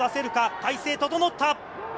体勢、整った！